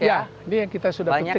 iya ini yang kita sudah petik